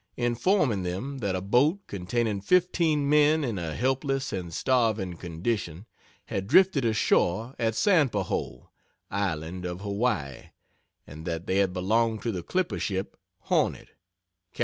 informing them that a boat, containing fifteen men in a helpless and starving condition, had drifted ashore at Sanpahoe, Island of Hawaii, and that they had belonged to the clipper ship "Hornet" Cap.